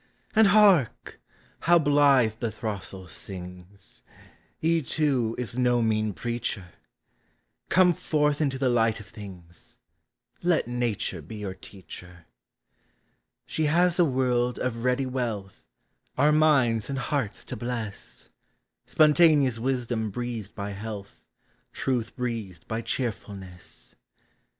And hark ! how blithe the throstle sings ! He, too, is no mean preacher; Come forth into the light of things — Let Nature be your teacher. She has a world of ready wealth, Our minds and hearts to bless, — Spontaneous wisdom breathed by health, Truth breathed by cheerfulness.